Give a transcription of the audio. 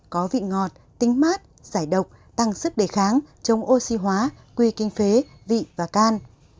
có vị ngọt tính mát giải độc tăng sức đề kháng chống oxy hóa quy kinh phế vị và can